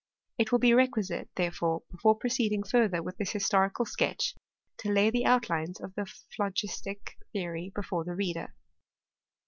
It will be requisite, therefore, before proceeding farther with this historical sketch, to lay the outlines of the phlogistic theory before the reader.